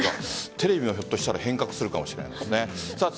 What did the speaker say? テレビもひょっとしたら変革するかもしれません。